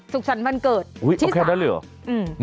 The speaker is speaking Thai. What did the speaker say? สุขสรรค์วันเกิดอุ๊ยเอาแค่นั้นเลยเหรอ